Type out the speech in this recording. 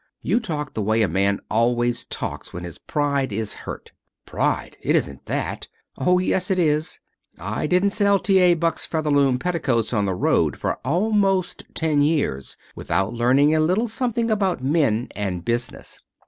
You talk the way a man always talks when his pride is hurt." "Pride! It isn't that." "Oh, yes, it is. I didn't sell T. A. Buck's Featherloom Petticoats on the road for almost ten years without learning a little something about men and business.